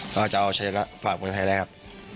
ก็จะเอาเฉลี่ยภาพเมืองไทยได้ครับ